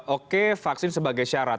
oke vaksin sebagai syarat